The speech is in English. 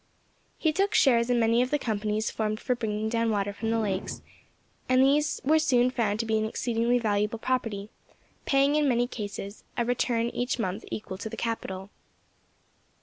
He took shares in many of the companies formed for bringing down water from the lakes, and these were soon found to be an exceedingly valuable property, paying in many cases a return each month equal to the capital.